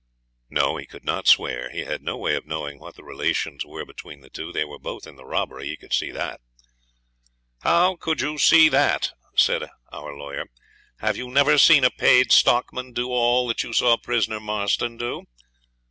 'No; he could not swear. He had no way of knowing what the relations were between the two. They were both in the robbery; he could see that.' 'How could you see that?' said our lawyer. 'Have you never seen a paid stockman do all that you saw prisoner Marston do?'